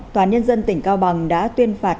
toàn nhân dân tỉnh cao bằng đã tuyên phạt